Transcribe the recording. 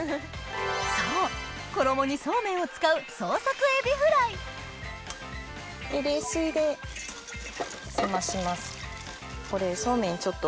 そう衣にそうめんを使う創作エビフライ冷水で冷まします。